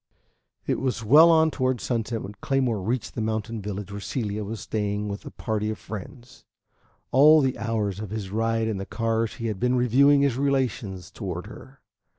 VI It was well on toward sunset when Claymore reached the mountain village where Celia was staying with a party of friends. All the hours of his ride in the cars he had been reviewing his relations toward her.